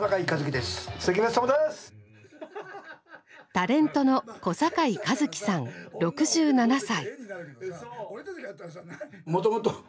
タレントの小堺一機さん６７歳。